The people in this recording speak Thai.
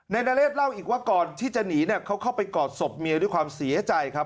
นเรศเล่าอีกว่าก่อนที่จะหนีเนี่ยเขาเข้าไปกอดศพเมียด้วยความเสียใจครับ